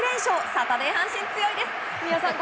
サタデー阪神、強いです！